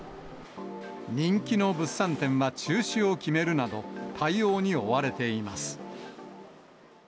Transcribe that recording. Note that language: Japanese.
人気の物産展は中止を決めるなど、対応に追われています。